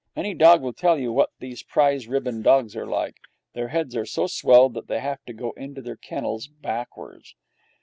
Any dog will tell you what these prize ribbon dogs are like. Their heads are so swelled they have to go into their kennels backwards.